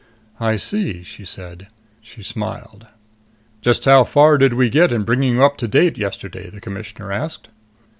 "I see," she said. She smiled. "Just how far did we get in bringing you up to date yesterday?" the Commissioner asked.